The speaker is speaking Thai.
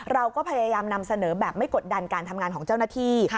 เราก็พยายามนำเสนอแบบไม่กดดันการทำงานของเจ้าหน้าที่